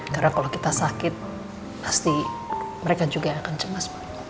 karena kalau kita sakit pasti mereka juga akan cemas pak